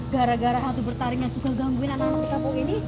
gara gara waktu bertaringnya suka gangguin anak anak di kampung ini